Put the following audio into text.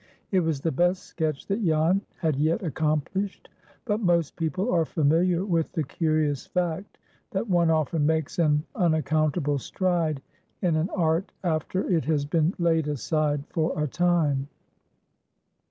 It was the best sketch that Jan had yet accomplished. But most people are familiar with the curious fact that one often makes an unaccountable stride in an art after it has been laid aside for a time.